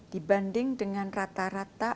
dibanding dengan rata rata